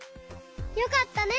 よかったね！